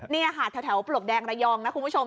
นี่ค่ะแถวปลวกแดงระยองนะคุณผู้ชม